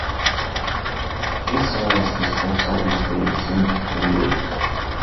Quem são as responsáveis pelo ensino superior?